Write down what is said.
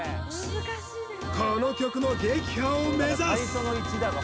この曲の撃破を目指す！